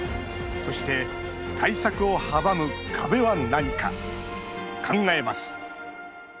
そして、対策を阻む壁は何か考えます